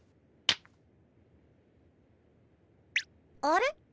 あれ？